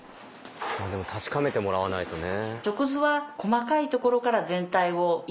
まあでも確かめてもらわないとね。